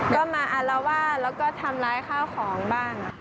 ก็มาอารวาสแล้วก็ทำร้ายข้าวของบ้าง